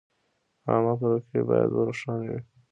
عامه پریکړې باید روښانه وي.